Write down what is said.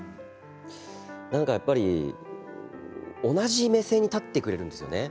なんかやっぱり同じ目線で立ってくれるんですよね。